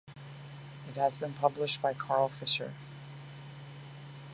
It has been published by Carl Fischer.